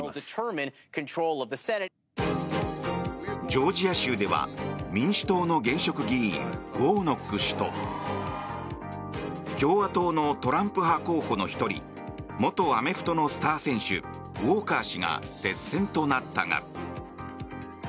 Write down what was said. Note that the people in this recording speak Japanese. ジョージア州では民主党の現職議員ウォーノック氏と共和党のトランプ派候補の１人元アメフトのスター選手ウォーカー氏が接戦となったが。